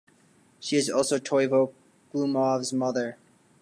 She is also Toivo Glumov's mother.